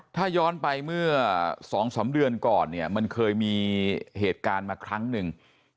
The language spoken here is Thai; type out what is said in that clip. ถ้าย้อนไปเมื่อ๒๓เดือนก่อนเนี่ยมันเคยมีเหตุการณ์มาครั้งหนึ่ง